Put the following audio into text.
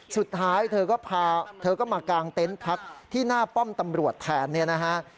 สุดท้ายเธอก็พาเธอก็มากางเต็นต์พักที่หน้าป้อมตำรวจแทนเนี่ยนะฮะ